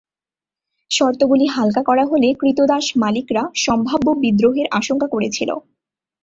শর্তগুলি হালকা করা হলে ক্রীতদাস মালিকরা সম্ভাব্য বিদ্রোহের আশঙ্কা করেছিল।